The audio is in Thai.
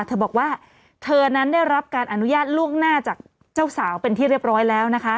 เธอบอกว่าเธอนั้นได้รับการอนุญาตล่วงหน้าจากเจ้าสาวเป็นที่เรียบร้อยแล้วนะคะ